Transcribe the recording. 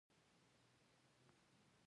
کمپیوټر په اوسني عصر کې یو مهم ضرورت دی.